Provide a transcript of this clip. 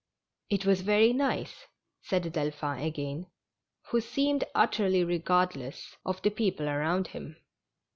" It was very nice," said Delphin again, who seemed utterly regardless of the people around him.